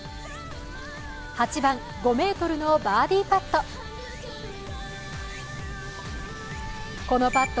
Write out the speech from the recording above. ８番、５ｍのバーディーパット。